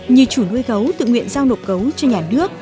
như chủ nuôi gấu tự nguyện giao nộp gấu cho nhà nước